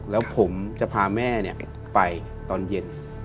แล้วผมจะพาแม่ไปตอนเย็น